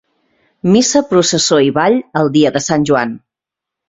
Missa, processó i ball el dia de Sant Joan.